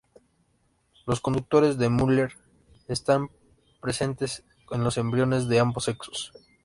Los conductos de Müller están presentes en los embriones de ambos sexos.